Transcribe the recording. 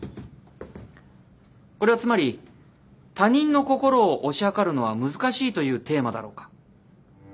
これはつまり他人の心を推し量るのは難しいというテーマだろうか。